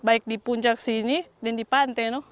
baik di puncak sini dan di pantai